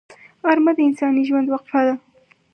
غرمه د انساني ژوند وقفه ده